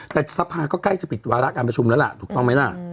แต่ทรัพยาก็ใกล้จะปิดวาระการประชุมนั้นแหละถูกต้องไหมน่ะ